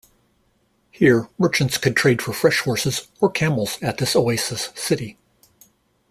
Here merchants could trade for fresh horses or camels at this oasis city.